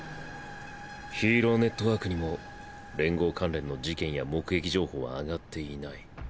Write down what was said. ヒーローネットワークにも連合関連の事件や目撃情報はあがっていない。